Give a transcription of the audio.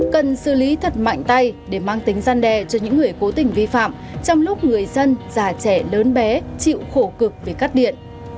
cần xử lý thật mạnh tay để mang tính gian đe cho những người cố tình vi phạm trong lúc người dân già trẻ lớn bé chịu khổ cực vì cắt điện